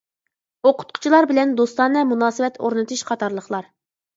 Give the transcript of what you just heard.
ئوقۇتقۇچىلار بىلەن دوستانە مۇناسىۋەت ئورنىتىش قاتارلىقلار.